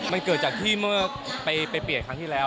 มันเกิดจากที่เมื่อไปเปลี่ยนครั้งที่แล้ว